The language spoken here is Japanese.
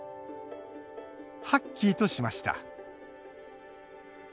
「ハッキー」としました。